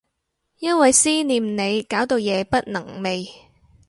因為思念你搞到夜不能寐